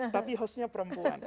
tapi hostnya perempuan